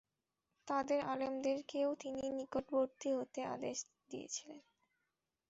তাদের আলেমদেরকেও তিনি নিকটবর্তী হতে আদেশ দিয়েছিলেন।